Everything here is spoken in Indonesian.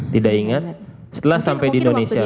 tidak ingat setelah sampai di indonesia